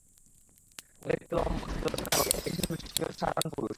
ও দেখতে লম্বা, সুদর্শন এবং একই সাথে বেশ সাধারণ একজন পুরুষ!